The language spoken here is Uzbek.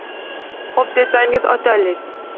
Xo‘p desangiz ochaylik